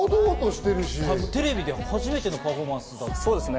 テレビで初めてのパフォーマそうですね。